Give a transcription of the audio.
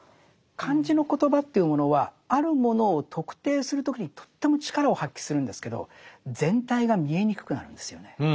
漢字の言葉というものはあるものを特定する時にとっても力を発揮するんですけど全体が見えにくくなるんですよね。